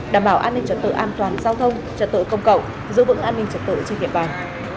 đảm bảo an ninh trật tự an toàn giao thông trật tự công cộng giữ vững an ninh trật tự trên địa bàn